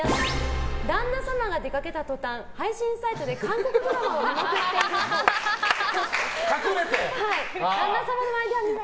志乃さん旦那様が出かけた途端配信サイトで韓国ドラマを見まくっているっぽい。